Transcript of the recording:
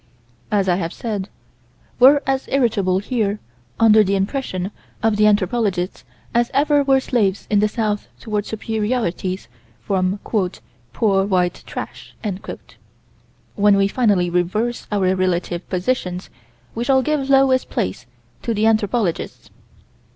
As I have said, we're as irritable here, under the oppressions of the anthropologists as ever were slaves in the south toward superiorities from "poor white trash." When we finally reverse our relative positions we shall give lowest place to the anthropologists.